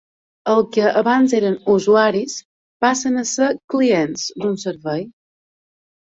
El que abans eren "usuaris" passen a ser "clients" d'un servei.